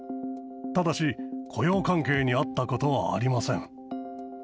ただし、雇用関係にあったことはありません。